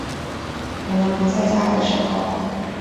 我们不在家的时候